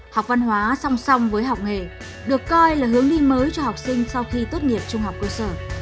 học văn hóa song song với học nghề được coi là hướng đi mới cho học sinh sau khi tốt nghiệp trung học cơ sở